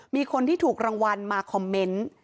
มีคนที่ถูกรางวัลมาคอมเมนต์